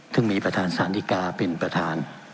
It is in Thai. ซึ่งมีประธานสาธิกาเป็นประธาน